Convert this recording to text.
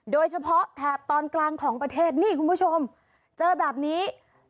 แถบตอนกลางของประเทศนี่คุณผู้ชมเจอแบบนี้